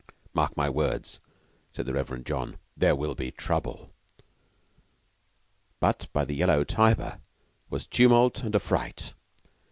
Mark my words," said the Reverend John. "There will be trouble." But by the yellow Tiber Was tumult and affright.